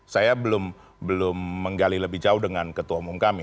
saya belum menggali lebih jauh dengan ketua umum kami